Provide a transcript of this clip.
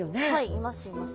いますいます。